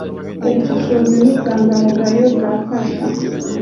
ubushishozi n ubwangamugayo byafasha